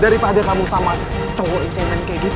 dari pada kamu sama cowok incengan kayak gitu